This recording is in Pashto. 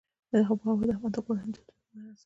آب وهوا د افغان کورنیو د دودونو مهم عنصر دی.